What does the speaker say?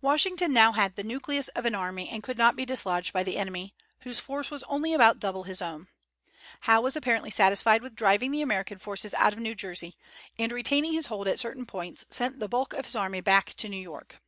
Washington had now the nucleus of an army and could not be dislodged by the enemy, whose force was only about double his own. Howe was apparently satisfied with driving the American forces out of New Jersey, and, retaining his hold at certain points, sent the bulk of his army back to New York.